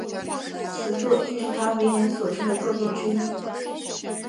此作亦是他为人所知的作品之一。